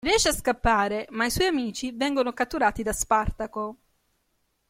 Riesce a scappare, ma i suoi amici vengono catturati da Spartaco.